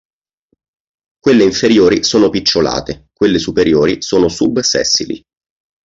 Quelle inferiori sono picciolate; quelle superiori sono sub-sessili.